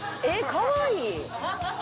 かわいい。